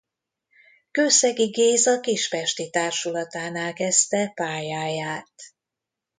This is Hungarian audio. Kőszegi Géza kispesti társulatánál kezdte pályáját.